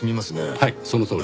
はいそのとおり。